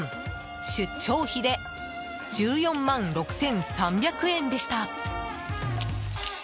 出張費で１４万６３００円でした。